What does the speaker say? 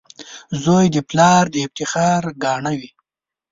• زوی د پلار د افتخار ګاڼه وي.